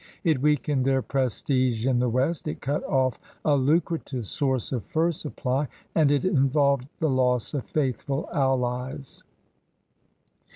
It weakened their prestige in the west, it cut off a lucrative source of fur supply, and it involved the loss of faithful allies.